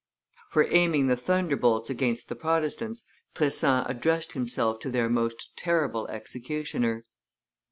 For aiming the thunderbolts against the Protestants, Tressan addressed himself to their most terrible executioner.